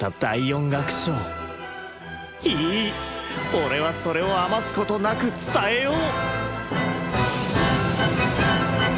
俺はそれを余すことなく伝えよう！